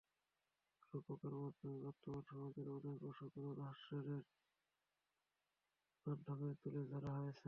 রূপকের মাধ্যমে বর্তমান সমাজের অনেক অসংগতিও হাস্যরসের মাধ্যমে তুলে ধরা হয়েছে।